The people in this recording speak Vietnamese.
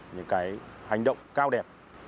những cái hành động cao đẹp